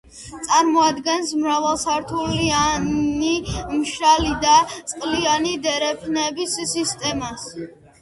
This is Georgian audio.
წარმოადგენს მრავალსართულიანი, მშრალი და წყლიანი დერეფნების სისტემას.